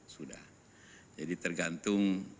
sudah jadi tergantung